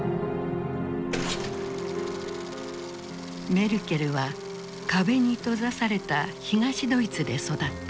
メルケルは壁に閉ざされた東ドイツで育った。